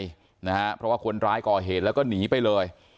เพราะว่าคนร้ายก่อเหตุแล้วก็หนีไปเลย